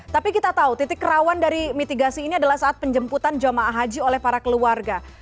tapi kita tahu titik rawan dari mitigasi ini adalah saat penjemputan jemaah haji oleh para keluarga